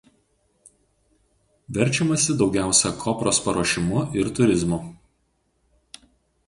Verčiamasi daugiausia kopros paruošimu ir turizmu.